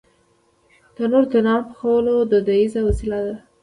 تنور د نان پخولو دودیزه وسیله ده